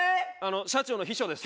社長の秘書です。